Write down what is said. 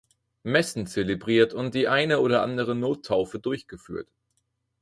Messen zelebriert und die eine oder andere Nottaufe durchgeführt.